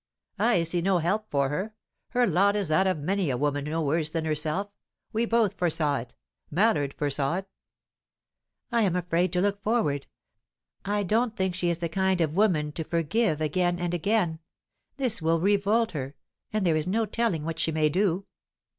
"I see no help for her. Her lot is that of many a woman no worse than herself. We both foresaw it; Mallard foresaw it." "I am afraid to look forward. I don't think she is the kind of woman to forgive again and again. This will revolt her, and there is no telling what she may do."